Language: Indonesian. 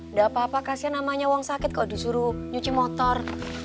nggak apa apa kasian namanya uang sakit kok disuruh nyuci motor